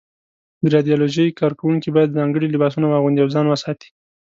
د رادیالوجۍ کارکوونکي باید ځانګړي لباسونه واغوندي او ځان وساتي.